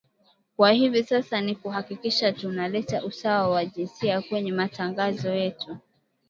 kwa hivi sasa ni kuhakikisha tuna leta usawa wa jinsia kwenye matangazo yetu